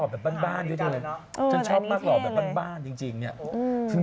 เขาไปให้เล่นมือถือไงถึงว่ามันในก็ไม่ได้เล่นมือถือ